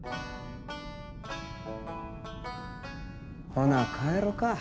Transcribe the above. ほな帰ろか。